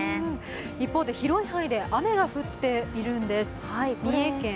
一方で広い範囲で雨が降っているんです、三重県。